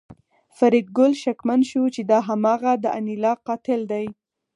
فریدګل شکمن شو چې دا هماغه د انیلا قاتل دی